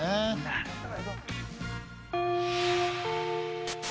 なるほど。